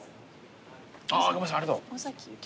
ああごめんなさいありがとう。